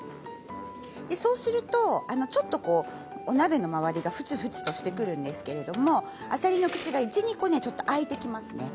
そうするとちょっとお鍋の周りがふつふつとしてくるんですけれどあさりの口が１、２個ちょっと開いてきます。